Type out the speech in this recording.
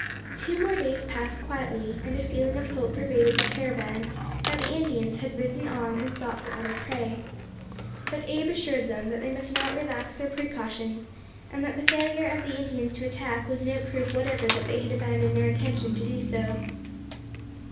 Two more days passed quietly, and a feeling of hope pervaded the caravan that the Indians had ridden on and sought for other prey. But Abe assured them that they must not relax their precautions, and that the failure of the Indians to attack was no proof whatever that they had abandoned their intention to do so.